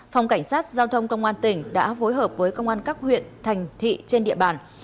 phòng cảnh sát giao thông công an tỉnh đã phối hợp với công an các huyện thành thị trên địa bàn